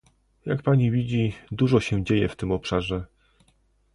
Jak pani widzi, dużo się dzieje w tym obszarze